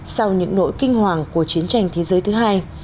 sau những nỗi kinh hoàng của chiến tranh thế giới thứ hai